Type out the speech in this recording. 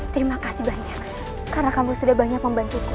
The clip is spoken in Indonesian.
terima kasih banyak karena kamu sudah banyak membantuku